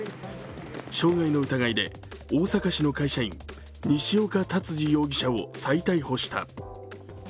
障害の疑いで大阪市の会社員西岡竜司容疑者を再逮捕した。